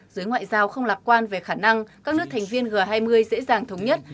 giới ngoại giao không lạc quan về khả năng các nước thành viên g hai mươi dễ dàng thống nhất